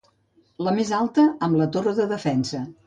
La més alta, amb la torre de defensa.